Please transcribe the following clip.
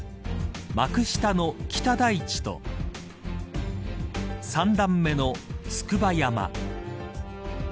幕下の北大地と三段目の筑波山。